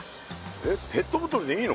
えっペットボトルでいいの？